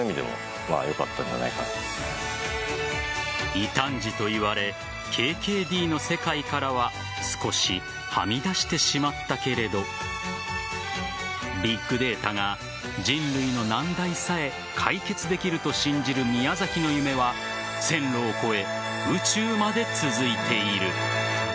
異端児といわれＫＫＤの世界からは少しはみ出してしまったけれどビッグデータが人類の難題さえ解決できると信じる宮崎の夢は線路を超え、宇宙まで続いている。